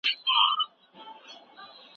که پښتون پوهه ترلاسه کړي، نړۍ به بدله کړي.